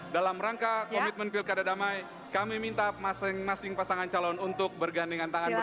dalam rangka komitmen pilkada damai kami minta masing masing pasangan calon untuk bergandingan tangan bersama